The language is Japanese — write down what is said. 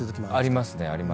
ありますね。